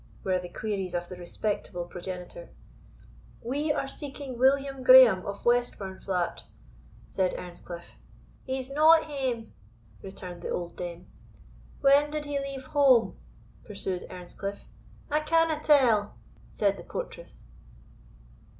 were the queries of the respectable progenitor. "We are seeking William Graeme of Westburnflat," said Earnscliff. "He's no at hame," returned the old dame. "When did he leave home?" pursued Earnscliff. "I canna tell," said the portress.